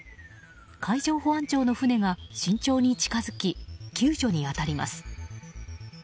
海上保安庁の船が慎重に近づき救助に当たります。